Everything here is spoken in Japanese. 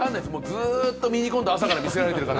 ずっとミニコントを朝から見せられてるから。